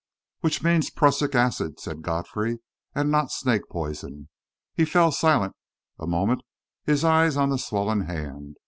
"Which means prussic acid," said Godfrey, "and not snake poison." He fell silent a moment, his eyes on the swollen hand.